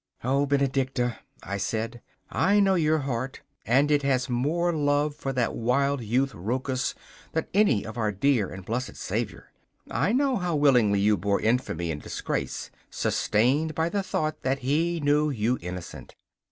'O Benedicta,' I said, I know your heart, and it has more love for that wild youth Rochus than for our dear and blessed Saviour. I know how willingly you bore infamy and disgrace, sustained by the thought that he knew you innocent.